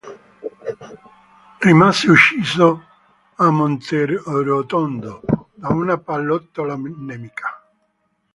Rimase ucciso a Monterotondo da una pallottola nemica.